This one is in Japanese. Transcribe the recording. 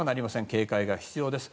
警戒が必要です。